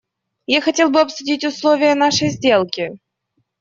Я хотел бы обсудить условия нашей сделки.